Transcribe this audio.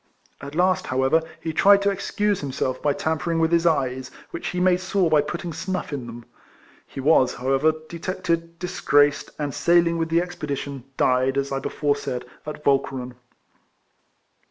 At last, how ever, he tried to excuse himself by tamper ing with his eyes, which he made sore by putting snuff in them. He was, however, detected, disgraced, and, sailing with the expedition, died, as I before said, at Walche ren.